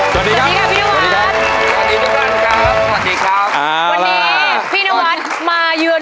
สวัสดีครับพี่นวัฒน์